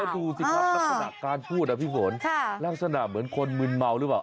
ดูสิครับลักษณะการพูดอ่ะพี่ฝนลักษณะเหมือนคนมึนเมาหรือเปล่า